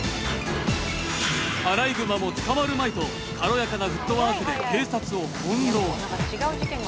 アライグマも捕まるまいと軽やかなフットワークで警察を翻弄。